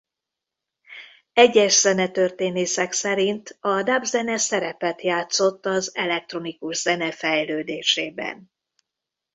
Egyes zenetörténészek szerint a dub zene szerepet játszott az elektronikus zene fejlődésében.